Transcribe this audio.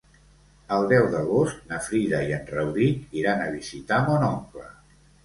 El deu d'agost na Frida i en Rauric iran a visitar mon oncle.